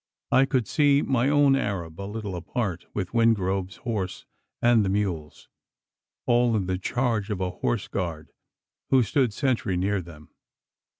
I could see my own Arab a little apart, with Wingrove's horse and the mules all in the charge of a horse guard, who stood sentry near them.